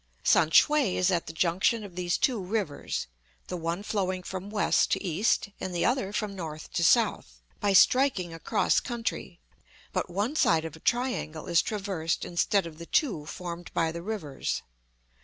Sam shue is at the junction of these two rivers, the one flowing from west to east and the other from north to south; by striking across country, but one side of a triangle is traversed instead of the two formed by the rivers.